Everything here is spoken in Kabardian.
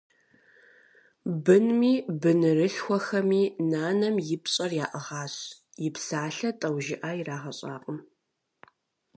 Бынми бынырылъхухэми нанэм и пщӀэр яӀыгъащ, и псалъэ тӀэужыӀэ ирагъэщӀакъым.